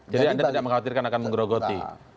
jadi anda tidak mengkhawatirkan akan menggerogoti